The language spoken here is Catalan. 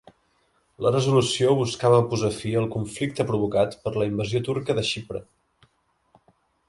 La resolució buscava posar fi al conflicte provocat per la invasió turca de Xipre.